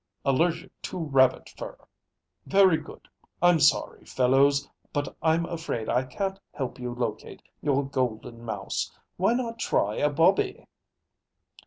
"Allergic to rabbit fur! Very good! I'm sorry, fellows, but I'm afraid I can't help locate your Golden Mouse. Why not try a bobby?"